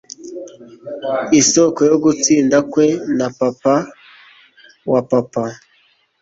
isoko yo gutsinda kwe na papa wa papa